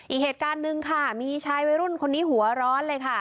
อีกเหตุการณ์หนึ่งค่ะมีชายวัยรุ่นคนนี้หัวร้อนเลยค่ะ